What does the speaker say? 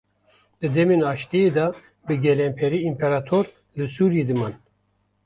Di demên aşitiye de bi gelemperî împerator li Sûriyê diman.